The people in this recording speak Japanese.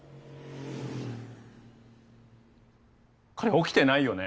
彼起きてないよね？